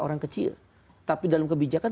orang kecil tapi dalam kebijakan